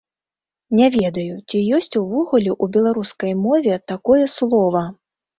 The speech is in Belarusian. Не ведаю, ці ёсць увогуле ў беларускай мове такое слова.